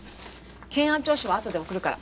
検案調書はあとで送るから。